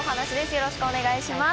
よろしくお願いします。